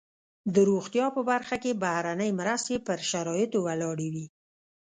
د روغتیا په برخه کې بهرنۍ مرستې پر شرایطو ولاړې وي.